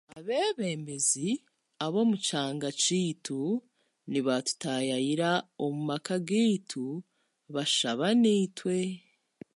Abeebembezi ab'omu kyanga kyaitu nibatutaayayira omu maka gaitu bashaba naitwe